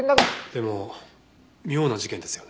でも妙な事件ですよね。